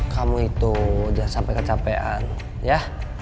kamu itu jangan sampai kecapean ya